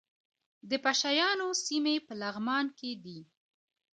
د پشه یانو سیمې په لغمان کې دي